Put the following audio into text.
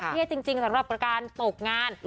เท่จริงสำหรับการตกงาน